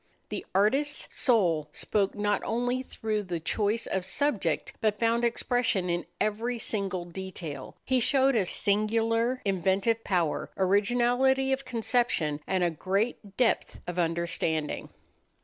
The artist's soul spoke not only through the choice of subject, but found expression in every single detail. He showed a singular inventive power, originality of conception, and a great depth of understanding.